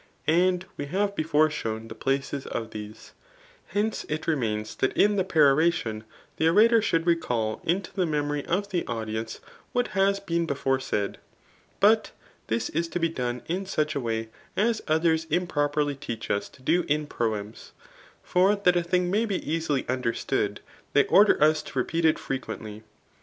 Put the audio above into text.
And we have before shown the places of these. Hence it re mains that in the peroration the orator should recal into the memory of the audience what has been before said. But this is to be done in such a way, as others impro perly teach us to do m proems ; for that a thing may be easily understood, ^hey order us to repeat it £r^d^tly. CHAP.